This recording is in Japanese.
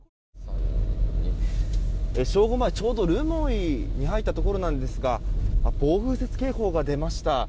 正午前、ちょうど留萌に入ったところですが暴風雪警報が出ました。